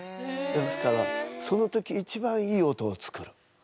ですからその時一番いい音を作る。